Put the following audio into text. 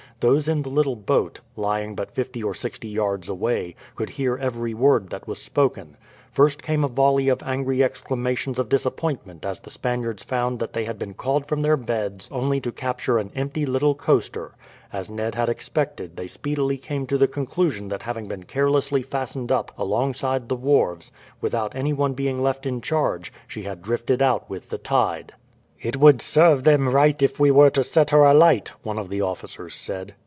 Those in the little boat, lying but fifty or sixty yards away, could hear every word that was spoken. First came a volley of angry exclamations of disappointment as the Spaniards found that they had been called from their beds only to capture an empty little coaster. As Ned had expected, they speedily came to the conclusion that having been carelessly fastened up alongside the wharves, without any one being left in charge, she had drifted out with the tide. "It would serve them right if we were to set her alight," one of the officers said.